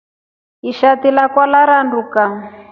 Ishati lakwa laranduka.